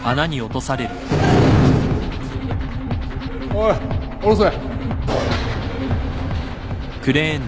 おい下ろせ。